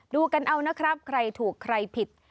ดูกันเอานะครับใครถูกใครผิด